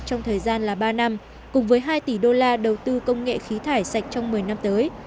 trong thời gian là ba năm cùng với hai tỷ đô la đầu tư công nghệ khí thải sạch trong một mươi năm tới